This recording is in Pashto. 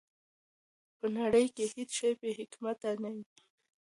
په نړۍ کي هیڅ شی بې حکمه نه وي.